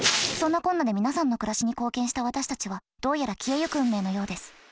そんなこんなで皆さんの暮らしに貢献した私たちはどうやら消えゆく運命のようです。